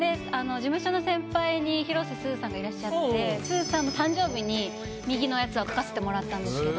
事務所の先輩に広瀬すずさんがいらっしゃってすずさんの誕生日に右のやつを描かせてもらったんですけど。